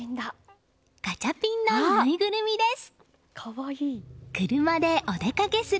ガチャピンのぬいぐるみです。